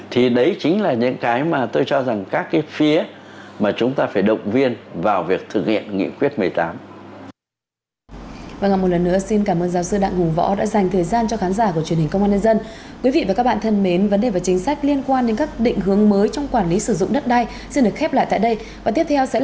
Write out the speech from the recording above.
thì đấy chính là những cái mà tôi cho rằng các cái phía mà chúng ta phải động viên vào việc thực hiện nghị quyết một mươi tám